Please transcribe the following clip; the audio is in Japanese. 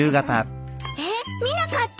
えっ見なかったの？